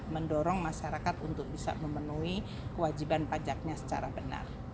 mendorong masyarakat untuk bisa memenuhi kewajiban pajaknya secara benar